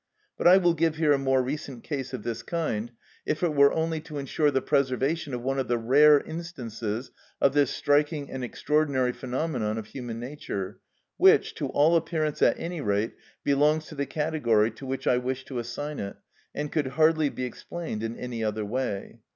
But I will give here a more recent case of this kind, if it were only to ensure the preservation of one of the rare instances of this striking and extraordinary phenomenon of human nature, which, to all appearance at any rate, belongs to the category to which I wish to assign it and could hardly be explained in any other way.